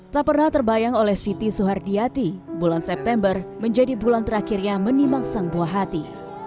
tak pernah terbayang oleh siti soehardiati bulan september menjadi bulan terakhirnya menimang sang buah hati